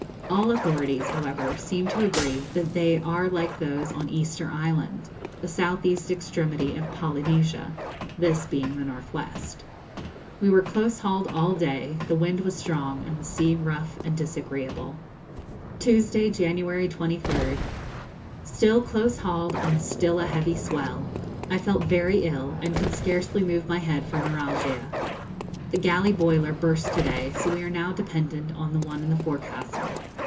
All authorities, however, seem to agree that they are like those on Easter Island, the south east extremity of Polynesia, this being the north west. [Illustration: Amateur Navigation] We were close hauled all day; the wind was strong, and the sea rough and disagreeable. Tuesday, January 23rd. Still close hauled, and still a heavy swell. I felt very ill, and could scarcely move my head for neuralgia. The galley boiler burst to day, so we are now dependent on the one in the forecastle.